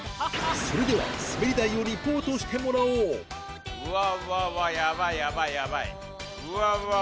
それでは滑り台をリポートしてもらおううわうわうわ